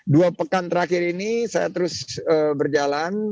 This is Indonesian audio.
dua pekan terakhir ini saya terus berjalan